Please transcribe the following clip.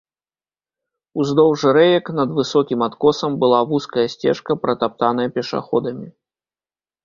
Уздоўж рэек, над высокім адкосам, была вузкая сцежка, пратаптаная пешаходамі.